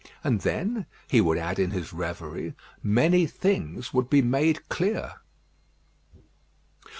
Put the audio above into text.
And then, he would add in his reverie, many things would be made clear.